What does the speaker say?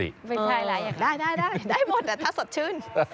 ไม่ใช่แหละอยากได้ได้หมดแต่ถ้าสดชื่น